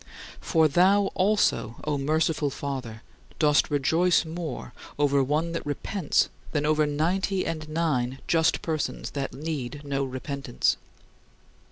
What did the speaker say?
For thou also, O most merciful Father, "dost rejoice more over one that repents than over ninety and nine just persons that need no repentance."